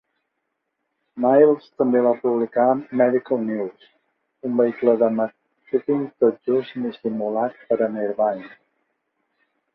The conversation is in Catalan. Miles també va publicar "Medical News", un vehicle de màrqueting tot just dissimulat per a Nervine.